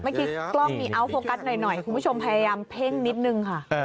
เมื่อกี้กล้องมีเอาท์โฟกัสหน่อยคุณผู้ชมพยายามเพ่งนิดนึงค่ะ